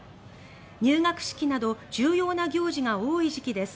入学式など重要な行事が多い時期です。